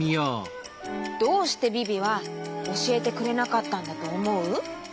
どうしてビビはおしえてくれなかったんだとおもう？